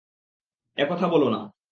একথা বোলো না।